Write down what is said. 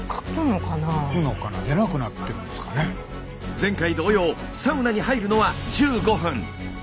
前回同様サウナに入るのは１５分。